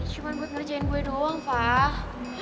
cuman buat ngerjain gue doang fah